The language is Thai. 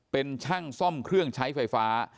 เป็นช่างซ่อมเครื่องใช้ไฟฟ้า